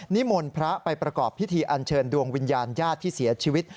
นิมนต์พระไปประกอบพิธีอันเชิญดวงวิญญาณญาติที่เสียชีวิต